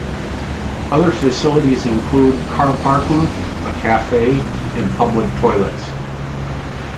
Other facilities include car parking, a cafe and public toilets.